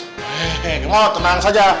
neng kemot tenang saja